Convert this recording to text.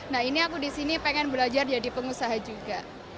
nah ini aku disini pengen belajar jadi pengusaha juga